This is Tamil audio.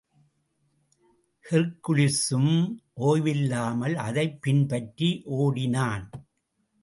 ஹெர்க்குலிஸும் ஓய்வில்லாமல் அதைப் பின்பற்றி ஓடினான்.